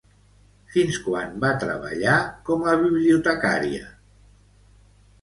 Fins quan va treballar com a bibliotecària?